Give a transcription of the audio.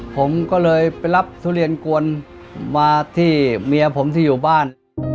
ผมก็เลยไปรับทุเรียนกวนมาที่เมียผมที่อยู่บ้าน